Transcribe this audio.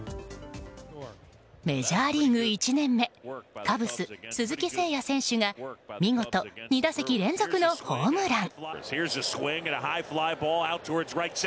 メジャーリーグ１年目カブス、鈴木誠也選手が見事、２打席連続のホームラン。